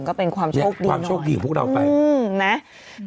ก็เป็นความโชคดีความโชคดีของพวกเราไปนะ